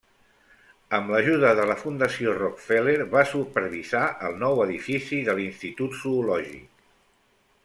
Amb l'ajuda de la Fundació Rockefeller, va supervisar el nou edifici de l'institut zoològic.